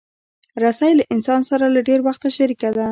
رسۍ له انسان سره له ډېر وخته شریکه ده.